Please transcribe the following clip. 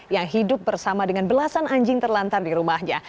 yang hidup bersama dengan belasan anjing terlantar di rumahnya